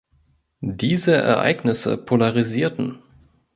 Diese Ereignisse polarisierten.